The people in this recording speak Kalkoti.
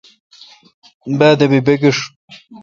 بادبی بگھیݭ۔